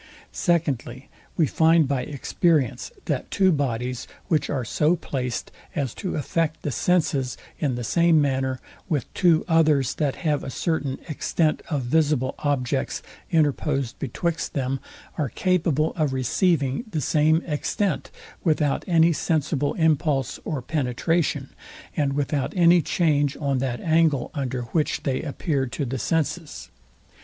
Secondly, We find by experience, that two bodies, which are so placed as to affect the senses in the same manner with two others, that have a certain extent of visible objects interposed betwixt them, are capable of receiving the same extent, without any sensible impulse or penetration, and without any change on that angle, under which they appear to the senses.